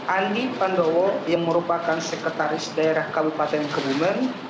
andi pandowo yang merupakan sekretaris daerah kabupaten kebumen